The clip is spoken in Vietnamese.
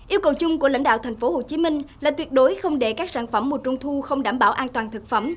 yêu cầu chung của lãnh đạo tp hcm là tuyệt đối không để các sản phẩm mùa trung thu không đảm bảo an toàn thực phẩm